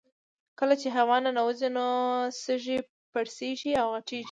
کله چې هوا ننوځي نو سږي پړسیږي او غټیږي